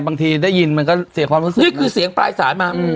บางทีได้ยินมันก็เสียความรู้สึกนี่คือเสียงปลายสายมา